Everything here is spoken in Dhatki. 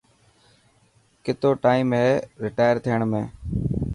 ڪتو ٽائم هي رٽائر ٿيڻ ۾.